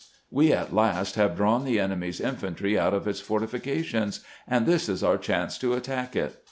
"We at last have drawn the enemy's infantry out of its fortifications, and this is our chance to attack it."